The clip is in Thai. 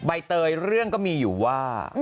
ใบเตยเรื่องก็มีอยู่ว่า